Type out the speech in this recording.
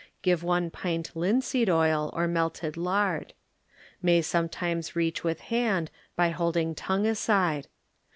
Give one pint linseed oil or melted lard. May sometimes reach with hand by holding tongue aside.